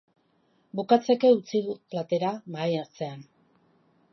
Bukatzeke utzi du platera mahai ertzean.